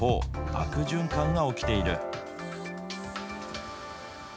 悪循環が起きている。